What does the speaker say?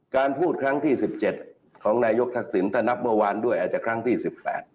การพูดครั้งที่๑๗ของนายกทักษิณถ้านับเมื่อวานด้วยอาจจะครั้งที่๑๘